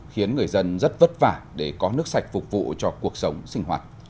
khiến người dân rất vất vả để có nước sạch phục vụ cho cuộc sống sinh hoạt